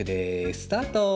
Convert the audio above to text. スタート！